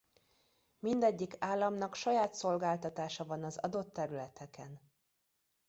Mindegyik államnak saját szolgáltatása van az adott területeken.